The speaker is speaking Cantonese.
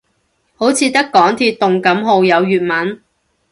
好似得港鐵動感號有粵文